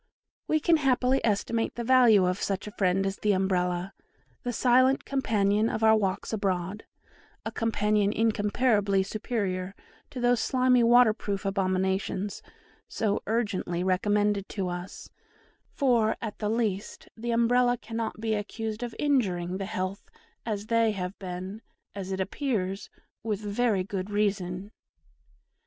We can happily estimate the value of such a friend as the Umbrella, the silent companion of our walks abroad, a companion incomparably superior to those slimy waterproof abominations so urgently recommended to us, for, at the least, the Umbrella cannot be accused of injuring, the health as they have been, as it appears, with very good reason.